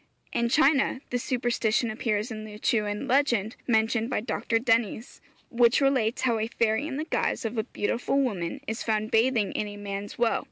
In China, the superstition appears in a Lew chewan legend mentioned by Dr. Dennys, which relates how a fairy in the guise of a beautiful woman is found bathing in a man's well.